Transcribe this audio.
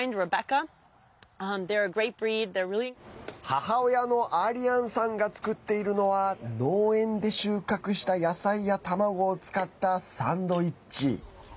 母親のアリアンさんが作っているのは農園で収穫した野菜や卵を使ったサンドイッチ。